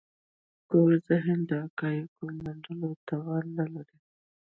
کوږ ذهن د حقایقو منلو توان نه لري